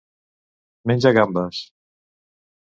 Menja gambes.